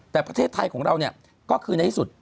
แต่ประเทศไทยของเราเนี่ยก็คือในที่สุด